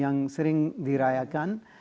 yang sering dirayakan